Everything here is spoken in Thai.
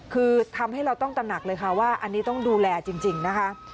คือทำให้เราต้องตระหนักเลยค่ะว่าอันนี้ต้องดูแลจริงนะคะ